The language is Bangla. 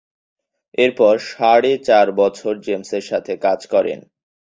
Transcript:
এরপর সাড়ে চার বছর জেমসের সাথে কাজ করেন।